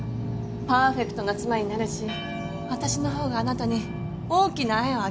パーフェクトな妻になるし私の方があなたに大きな愛をあげられる。